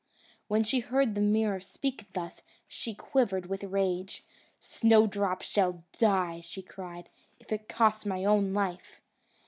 When she heard the mirror speak thus, she quivered with rage. "Snowdrop shall die," she cried, "if it costs my own life!"